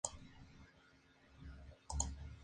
Es nativo de Florida y del Caribe.